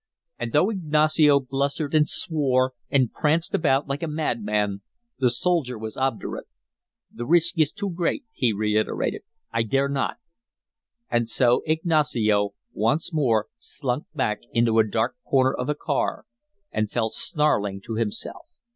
And though Ignacio blustered and swore and pranced about like a mad man, the soldier was obdurate. "The risk is too great," he reiterated. "I dare not." And so Ignacio once more slunk back into a dark corner of the car and fell snarling to himself.